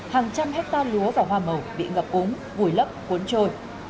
hàng trăm hectare lúa và hoa màu bị ngập úng vùi lấp cuốn trôi